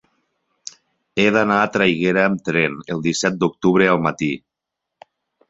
He d'anar a Traiguera amb tren el disset d'octubre al matí.